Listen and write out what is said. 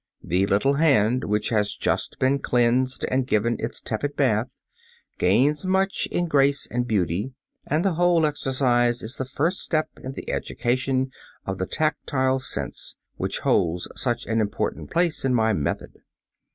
The little hand, which has just been cleansed and given its tepid bath, gains much in grace and beauty, and the whole exercise is the first step in the education of the "tactile sense," which holds such an important place in my method.